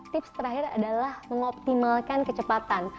tips terakhir adalah mengoptimalkan kecepatan